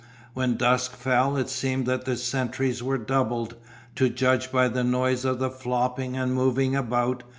When dusk fell it seemed that the sentries were doubled, to judge by the noise of the flopping and moving about.